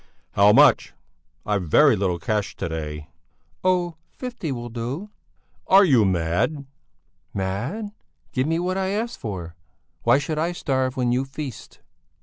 "How much? I've very little cash to day." "Oh! Fifty'll do." "Are you mad?" "Mad? Give me what I ask for. Why should I starve when you feast?"